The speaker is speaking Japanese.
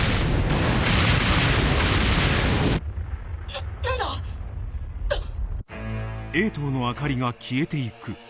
なっ何だ⁉あっ！